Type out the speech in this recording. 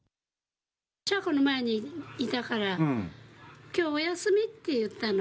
車庫の前にいたから、きょうお休み？って言ったの。